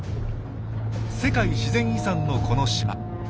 世界自然遺産のこの島。